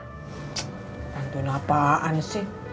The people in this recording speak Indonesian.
tsk bantuin apaan sih